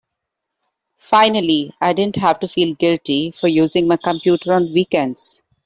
Finally I didn't have to feel guilty for using my computer on weekends.